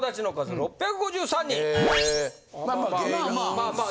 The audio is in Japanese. まあまあ。